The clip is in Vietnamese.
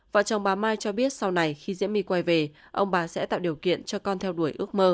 vợ chồng bà mai cho biết sau này khi diễm my quay về ông bà sẽ tạo điều kiện cho con theo đuổi ước mơ